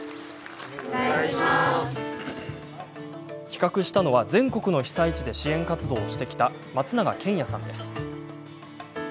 企画したのは、全国の被災地で支援活動をしてきた松永鎌矢さんです。